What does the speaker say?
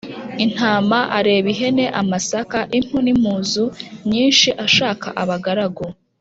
intama, areba ihene, amasaka, impu n' impuzu nyinshi, ashaka abagaragu